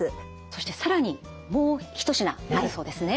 そして更にもう一品あるそうですね。